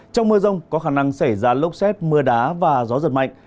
trong mưa rông có khả năng xảy ra lốc xét mưa đá và gió giật mạnh